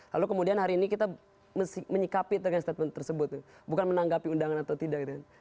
lalu kemudian hari ini kita menyikapi dengan statement tersebut bukan menanggapi undangan atau tidak gitu